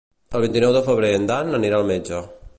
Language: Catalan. El vint-i-nou de febrer en Dan anirà al metge.